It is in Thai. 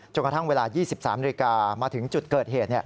กระทั่งเวลา๒๓นาฬิกามาถึงจุดเกิดเหตุ